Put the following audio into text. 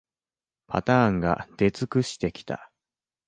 パターンが出尽くしてきた